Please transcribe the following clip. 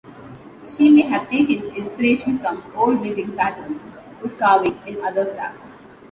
She may have taken inspiration from old knitting patterns, wood carving and other crafts.